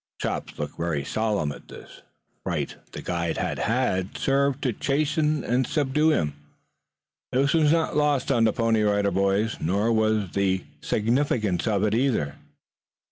Chops looked very solemn at this. The fright the guide had had served to chasten and subdue him. This was not lost on the Pony Rider Boys, nor was the significance of it, either.